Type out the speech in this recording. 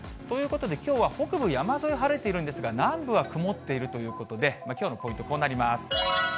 ということで、きょうは北部山沿い晴れているんですが、南部は曇っているということで、きょうのポイント、こうなります。